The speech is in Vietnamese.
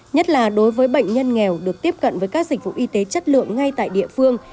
nhất là đối với bệnh nhân nghèo được tiếp cận với các dịch vụ y tế chất lượng ngay tại địa phương